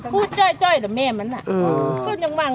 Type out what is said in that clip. พูดจ้อยแต่แม่มันล่ะ